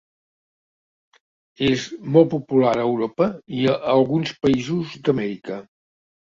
És molt popular a Europa i a alguns països d'Amèrica.